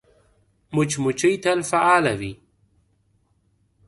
مچمچۍ تل فعاله وي